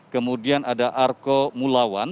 kemudian ada arko mulawan